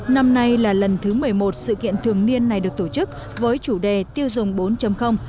năm nay là lần thứ một mươi một sự kiện thường niên này được tổ chức với chủ đề tiêu dùng bốn